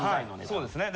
そうですね。